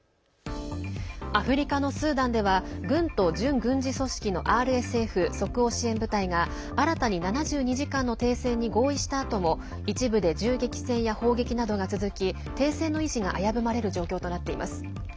アフリカのスーダンでは軍と準軍事組織のＲＳＦ＝即応支援部隊が新たに７２時間の停戦に合意したあとも一部で銃撃戦や砲撃などが続き停戦の維持が危ぶまれる状況となっています。